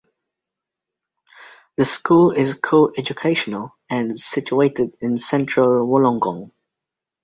The school is co-educational, and situated in central Wollongong.